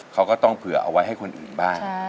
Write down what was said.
เขาก็ต้องเผื่อเอาไว้ให้คนอื่นบ้าง